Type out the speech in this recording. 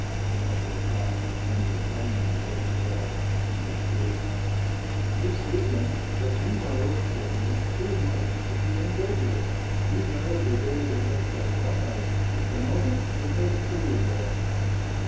"— An upward flash of ember flame Revealed the gladness in his tears. '' You see them, but you know/* said he, " Too much to be incredulous : You know the day that makes us wise. The moment that makes fools of us.